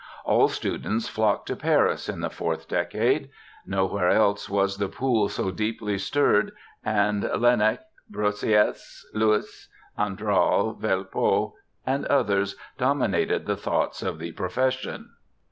All students flocked to Paris in the fourth decade. Nowhere else was the pool so deeply stirred, and Laennec, Broussais, Louis, Andral, Velpeau, and others dominated the thoughts of the profession.